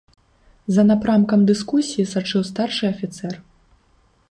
За напрамкам дыскусій сачыў старшы афіцэр.